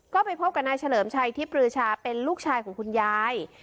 ก็ไปพบกับนายเฉลิมชัยที่ปลือชาเป็นลูกชายของคุณยาย